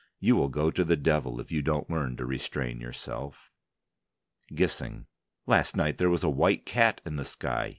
You will go to the devil if you don't learn to restrain yourself. GISSING: Last night there was a white cat in the sky.